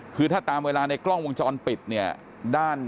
คือถ้าตามเวลาในกล้องวงจรปิดเนี่ย